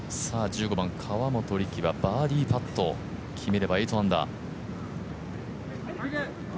１５番、河本力がバーディーパット決めれば８アンダー。